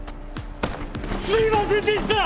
すいませんでした！